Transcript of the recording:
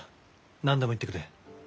何でも言ってくれ。